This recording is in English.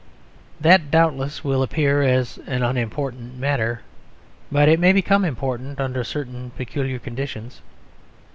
That, doubtless, will appear an unimportant matter; but it may become important under certain peculiar conditions.